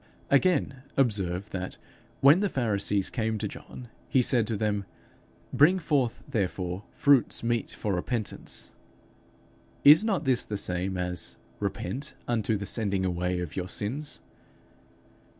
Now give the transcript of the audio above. Again, observe that, when the Pharisees came to John, he said to them, 'Bring forth therefore fruits meet for repentance:' is not this the same as, 'Repent unto the sending away of your sins'?